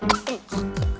pakai pasangan sih teh